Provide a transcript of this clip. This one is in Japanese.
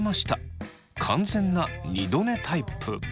完全な二度寝タイプ。